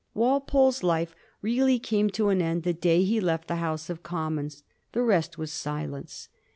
Walpole's life re ally came to an end the day he left the House of Com mons ; the rest was silence.